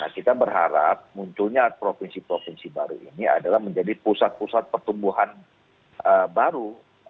kita berharap munculnya provinsi provinsi baru ini adalah menjadi pusat pusat pertumbuhan baru